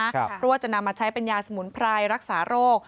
เพราะว่าจะนำมาใช้เป็นยาสมุนไพรรักษาโรค